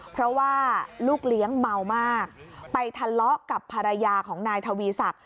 เพราะว่าลูกเลี้ยงเมามากไปทะเลาะกับภรรยาของนายทวีศักดิ